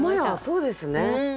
そうですね。